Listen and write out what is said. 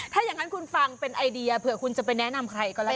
ถ้าอย่างนั้นคุณฟังเป็นไอเดียเผื่อคุณจะไปแนะนำใครก็แล้ว